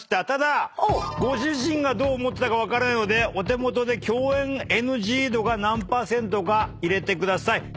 ただご自身がどう思ってたか分からないのでお手元で共演ＮＧ度が何％か入れてください。